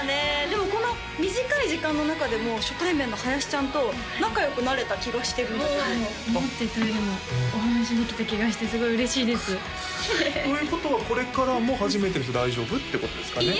でもこの短い時間の中でも初対面の林ちゃんと仲良くなれた気がしてるんだけど思ってたよりもお話しできた気がしてすごい嬉しいですということはこれからも初めての人大丈夫ってことですかね？